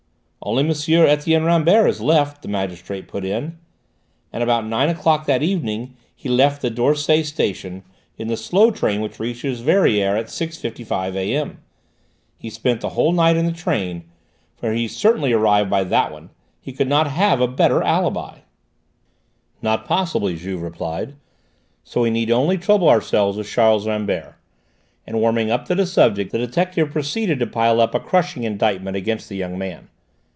"Only M. Etienne Rambert is left," the magistrate put in, "and about nine o'clock that evening he left the d'Orsay station in the slow train which reaches Verrières at 6.55 A.M. He spent the whole night in the train, for he certainly arrived by that one. He could not have a better alibi." "Not possibly," Juve replied. "So we need only trouble ourselves with Charles Rambert," and warming up to the subject the detective proceeded to pile up a crushing indictment against the young man.